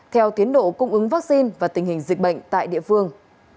theo tiến độ cung ứng vaccine và tình hình dịch bệnh tại địa phương